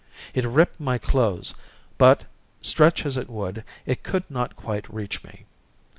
It ripped my clothes, but, stretch as it would, it could not quite reach me.